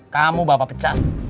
kamu bapak pecah